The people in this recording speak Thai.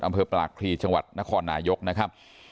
อำเภอปลากพลีจังหวัดนครนายกนะครับ